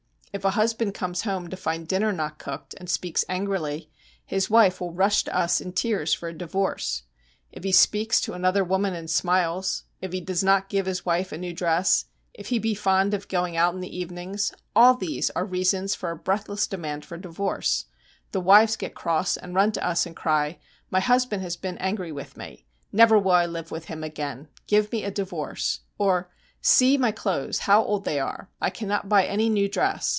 If a husband comes home to find dinner not cooked, and speaks angrily, his wife will rush to us in tears for a divorce. If he speaks to another woman and smiles, if he does not give his wife a new dress, if he be fond of going out in the evenings, all these are reasons for a breathless demand for a divorce. The wives get cross and run to us and cry, "My husband has been angry with me. Never will I live with him again. Give me a divorce." Or, "See my clothes, how old they are. I cannot buy any new dress.